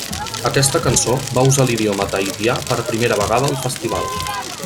Aquesta cançó va usar l'idioma tahitià per primera vegada al Festival.